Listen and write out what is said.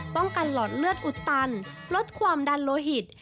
ป้องกันหลอดเลือดอุดตันลดความดันโลหิต